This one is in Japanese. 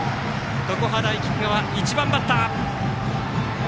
常葉大菊川、１番バッター。